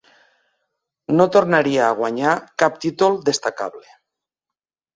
No tornaria a guanyar cap títol destacable.